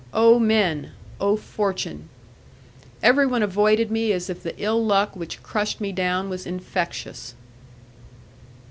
Oh, men! oh, fortune! Everyone avoided me as if the ill luck which crushed me down was infectious.